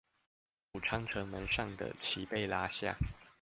武昌城門上的旗被拉下